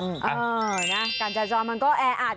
เออนะการจราจรมันก็แออัด